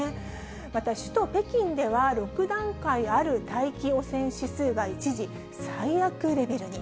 また首都北京では、６段階ある大気汚染指数が一時、最悪レベルに。